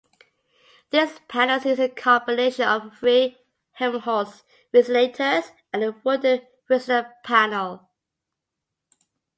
These panels use a combination of three Helmholtz resonators and a wooden resonant panel.